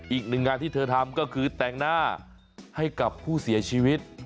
อีกหนึ่งงานที่เธอทำก็คือแต่งหน้าให้กับผู้เสียชีวิต